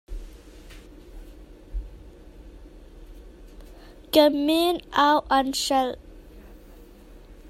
Ka min au an hrelh.